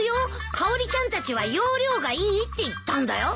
かおりちゃんたちは要領がいいって言ったんだよ。